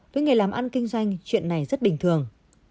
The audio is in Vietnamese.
với nghề làm ăn kinh doanh chuyện này rất bình thường